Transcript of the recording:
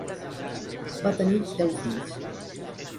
Va tenir deu fills.